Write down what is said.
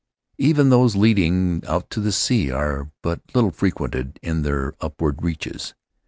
Even those leading out to the sea are but little frequented in their upward reaches.